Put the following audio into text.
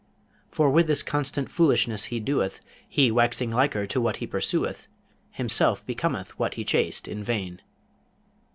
For with this constant foolishness he doeth, He, waxing liker to what he pursueth, Himself becometh what he chased in vain!